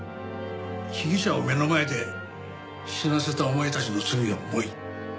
被疑者を目の前で死なせたお前たちの罪は重い。